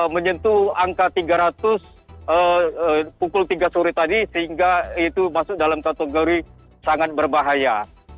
menyentuh angka tiga ratus pukul tiga sore tadi sehingga itu masuk dalam kategori sangat berbahaya